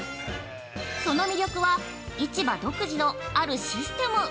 その魅力は、市場独自のあるシステム。